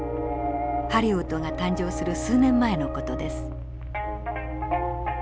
ハリウッドが誕生する数年前の事です。